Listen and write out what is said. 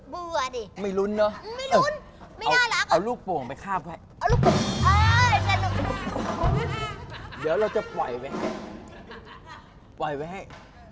เบื่อดิไม่รุนเนาะเอ้าลูกโป่งไปเข้าไว้เดี๋ยวเราจะปล่อยไว้ปล่อยไว้